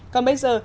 còn bây giờ